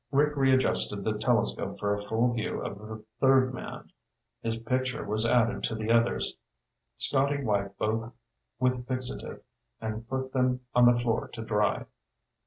Rick readjusted the telescope for a full view of the third man. His picture was added to the others. Scotty wiped both with fixative and put them on the floor to dry.